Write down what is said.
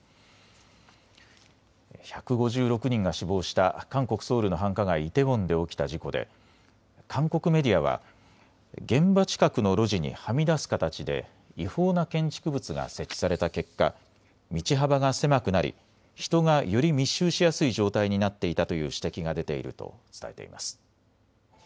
１５６人が死亡した韓国・ソウルの繁華街、イテウォンで起きた事故で韓国メディアは現場近くの路地にはみ出す形で違法な建築物が設置された結果、道幅が狭くなり人がより密集しやすい状態になっていたという指摘が出ていると伝えています。